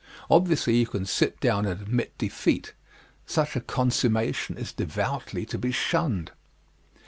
Obviously, you can sit down and admit defeat. Such a consummation is devoutly to be shunned.